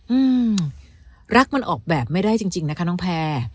อืมรักมันออกแบบไม่ได้จริงจริงนะคะน้องแพร่